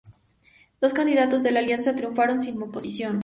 Dos candidatos de la Alianza triunfaron sin oposición.